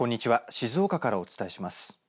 静岡からお伝えします。